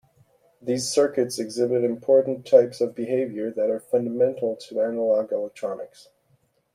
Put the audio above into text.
These circuits exhibit important types of behaviour that are fundamental to analogue electronics.